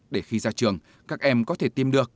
để khi ra trường các em có thể tìm được